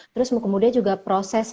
terus kemudian juga proses